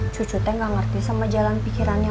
cuci teh gak ngerti sama jalan pikirannya